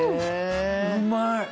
うまい！